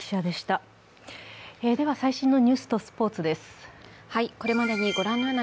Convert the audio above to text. では、最新のニュースとスポーツです。